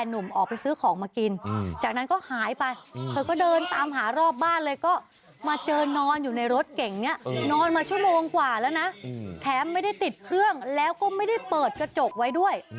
นอนมาชั่วโมงกว่าแล้วนะแถมไม่ได้ติดเครื่องแล้วก็ไม่ได้เปิดกระจกไว้ด้วย